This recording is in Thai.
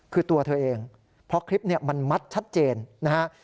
คือตัวเธอเองเพราะคลิปนี้มันมัดชัดเจนนะฮะ